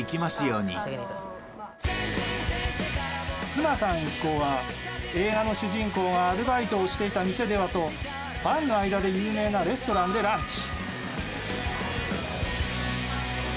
スマさん一行は映画の主人公がアルバイトをしていた店ではとファンの間で有名なレストランでランチ。